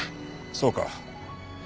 そうか。